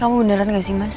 kamu beneran enggak sih mas